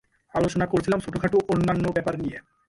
আলোচনা করছিলাম ছোটখাটো অন্যান্য ব্যাপার নিয়ে।